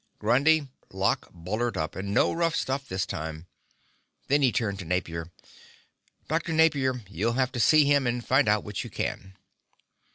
"Grundy, lock Bullard up. And no rough stuff this time." Then he turned to Napier. "Dr. Napier, you'll have to see him and find out what you can."